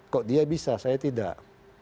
kok dia bisa saya tidak